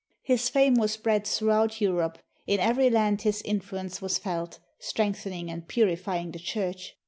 His fame was spread throughout Europe; in every land his influence was felt, strengthening and purifying the Church.